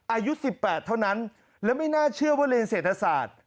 อายุ๑๘เท่านั้นและไม่น่าเชื่อว่าเรียนเศรษฐศาสตร์